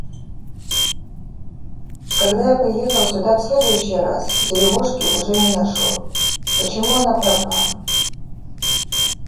Когда я приехал сюда в следующий раз, деревушки уже не нашел. Почему она пропала?